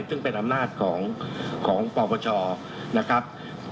ซึ่งเป็นอำนาจของปปชนะครับ